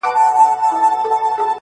چي مُلا دي راته لولي زه سلګی درته وهمه!.